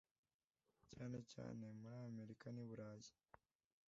cyane cyane muri Amerika n’i Burayi